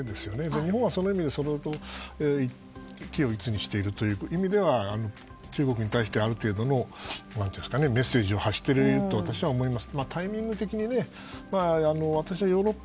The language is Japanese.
日本もその点でいうと軌を一にしていると中国に対してある程度のメッセージを発していると私は思います。